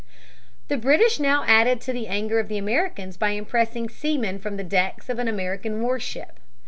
The British now added to the anger of the Americans by impressing seamen from the decks of an American warship.